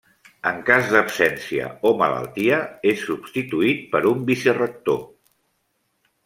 En cas d'absència o malaltia, és substituït per un vicerector.